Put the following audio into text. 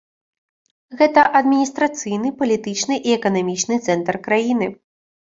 Гэта адміністрацыйны, палітычны і эканамічны цэнтр краіны.